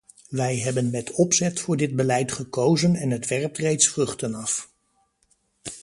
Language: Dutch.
Wij hebben met opzet voor dit beleid gekozen en het werpt reeds vruchten af.